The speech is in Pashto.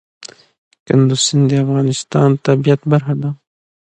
کندز سیند د افغانستان د طبیعت برخه ده.